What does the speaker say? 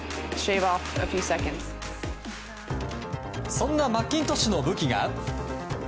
そんなマッキントッシュの武器が。